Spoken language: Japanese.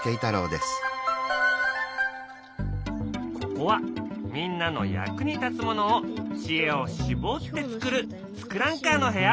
ここはみんなの役に立つものを知恵を絞って作る「ツクランカー」の部屋。